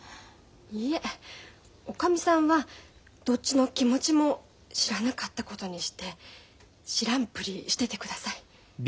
いいえおかみさんはどっちの気持ちも知らなかったことにして知らんぷりしててください。